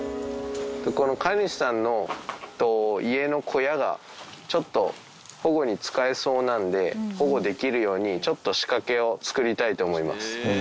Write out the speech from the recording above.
この飼い主さんの家の小屋が、ちょっと保護に使えそうなんで、保護できるように、ちょっと仕掛けを作りたいと思います。